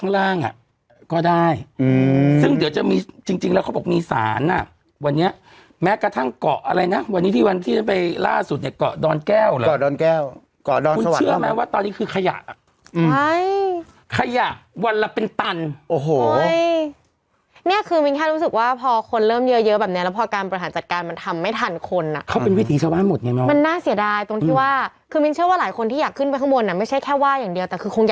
แล้วถึงเวลาก็มาบวกกำไรอืมแล้วมาขายต่อแล้วมาขายต่อก็ทำเป็น